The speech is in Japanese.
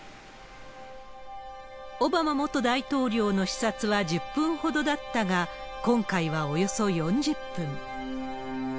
オバマ元大統領の視察は１０分ほどだったが、今回はおよそ４０分。